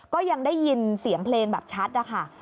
ก็ยังได้ยินเสียงเพลงแบบชัดนะคะ